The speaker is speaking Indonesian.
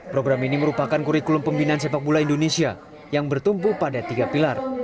program ini merupakan kurikulum pembinaan sepak bola indonesia yang bertumpu pada tiga pilar